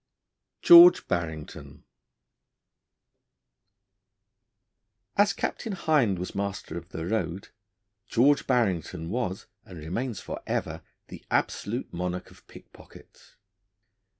GEORGE BARRINGTON AS Captain Hind was master of the road, George Barrington was (and remains for ever) the absolute monarch of pickpockets.